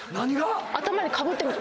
頭にかぶってみて。